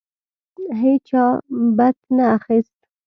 هیچا بت نه اخیست.